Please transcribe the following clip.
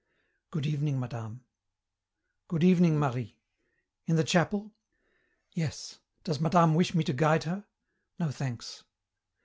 "Good evening, madame." "Good evening, Marie. In the chapel?" "Yes. Does madame wish me to guide her?" "No, thanks."